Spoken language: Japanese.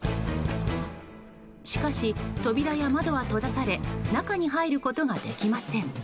しかし、扉や窓は閉ざされ中に入ることができません。